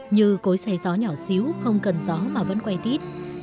như cối say gió nhỏ xíu không cần gió mà vẫn quay tít